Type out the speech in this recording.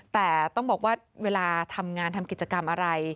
แต่ต้องบอกว่าเวลาทำงานทำกิจกรรมอะไร